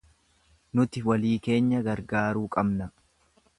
Nuti walii keenya gargaaruu qabna.